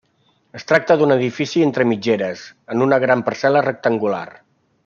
Es tracta d'un edifici entre mitgeres en una gran parcel·la rectangular.